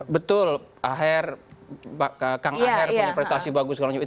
betul kang aher punya prestasi bagus